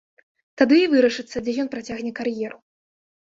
Тады і вырашыцца, дзе ён працягне кар'еру.